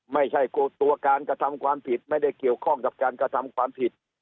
ไม่ใช่ตัวการกระทำความผิดไม่ได้เกี่ยวข้องกับการกระทำความผิด